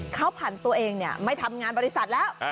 เขาผ่านตัวเองไม่ทำงานบริษัทแล้ว